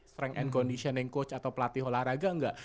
strength and conditioning coach atau pelatih olahraga enggak